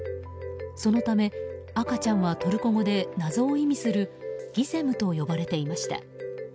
そのため、赤ちゃんはトルコ語で謎を意味するギゼムと呼ばれていました。